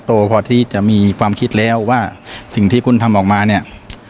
โตพอที่จะมีความคิดแล้วว่าสิ่งที่คุณทำออกมาเนี่ย